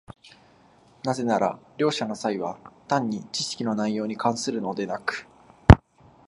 なぜなら両者の差異は単に知識の内容に関するのでなく、